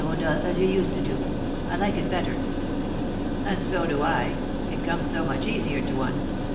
Rodolph, as you used to do; I like it better." "And so do I, it comes so much easier to one.